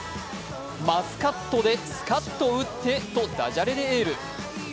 「マスカットでスカッと打ってー」とダジャレでエール。